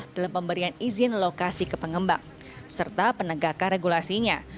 dalam pemberian izin lokasi ke pengembang serta penegakan regulasinya